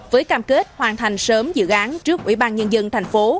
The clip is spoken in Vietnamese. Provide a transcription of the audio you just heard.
với cam kết hoàn thành sớm dự án trước ủy ban nhân dân thành phố